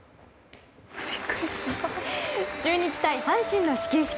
中日対阪神の始球式。